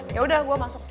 yaudah gue masuk